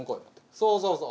・そうそうそう。